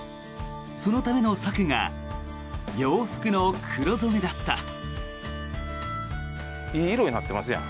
そのための策が洋服の黒染めだった。